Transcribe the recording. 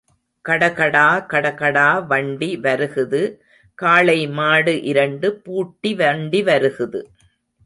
கடகடா கடகடா வண்டி வருகுது காளை மாடு இரண்டு பூட்டி வண்டி வருகுது.